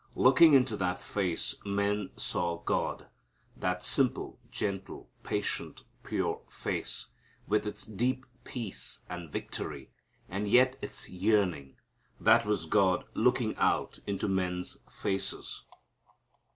Looking into that face men saw God. That simple, gentle, patient, pure face, with its deep peace and victory and yet its yearning that was God looking out into men's faces.